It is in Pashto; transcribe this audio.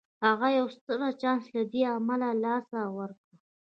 هغه يو ستر چانس له دې امله له لاسه ورکړ.